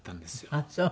ああそう。